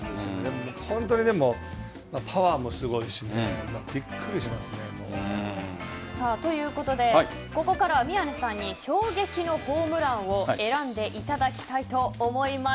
でも、パワーもすごいしびっくりしますね。ということでここからは宮根さんに衝撃のホームランを選んでいただきたいと思います。